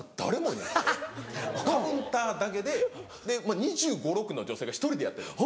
カウンターだけで２５２６歳の女性が１人でやってる。